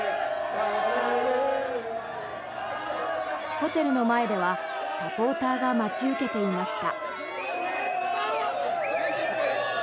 ホテルの前ではサポーターが待ち受けていました。